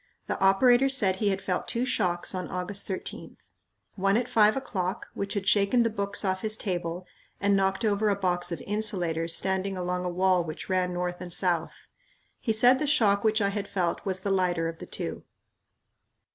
The operator said he had felt two shocks on August 13th one at five o'clock, which had shaken the books off his table and knocked over a box of insulators standing along a wall which ran north and south. He said the shock which I had felt was the lighter of the two.